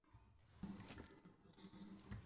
তবে তিনি ও এক বছর পর মারা যান।